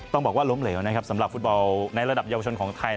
ต้องบอกว่าล้มเหลวนะครับสำหรับฟุตบอลในระดับเยาวชนของไทย